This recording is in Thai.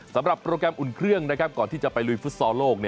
โปรแกรมอุ่นเครื่องก่อนที่จะไปลุยฟุตซอลโลก